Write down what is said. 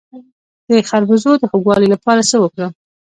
د خربوزو د خوږوالي لپاره څه وکړم؟